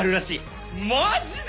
マジで！？